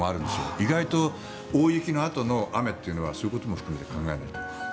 意外と大雪のあとの雨というのはそういうことを含めて考えないと。